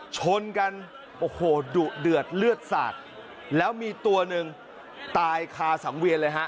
ชนกันโอ้โหดุเดือดเลือดสาดแล้วมีตัวหนึ่งตายคาสังเวียนเลยฮะ